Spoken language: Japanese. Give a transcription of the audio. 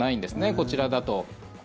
こちらだと。